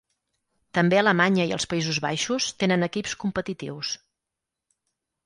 També Alemanya i els Països Baixos tenen equips competitius.